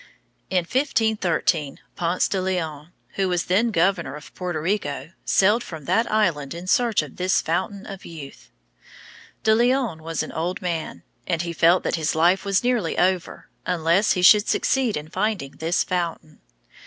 In 1513 Ponce de Leon, who was then governor of Puerto Rico, sailed from that island in search of this Fountain of Youth. De Leon was an old man, and he felt that his life was nearly over, unless he should succeed in finding this fountain.